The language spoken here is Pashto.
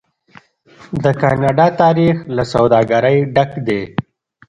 د کاناډا تاریخ له سوداګرۍ ډک دی.